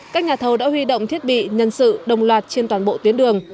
các nhà thầu đã huy động thiết bị nhân sự đồng loạt trên toàn bộ tuyến đường